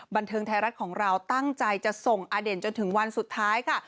บันเทิงไทยรัฐของเราตั้งใจจะส่งอเด่นจนถึงวันสุดท้ายค่ะ